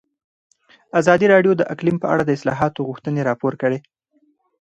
ازادي راډیو د اقلیم په اړه د اصلاحاتو غوښتنې راپور کړې.